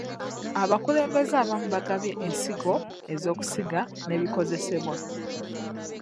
Abakulembezze abamu baagabye ensigo ez'okusiga n'ebikozesebwa.